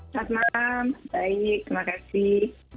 selamat malam baik terima kasih